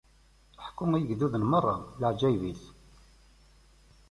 Ḥkut i yigduden merra, leɛǧayeb-is!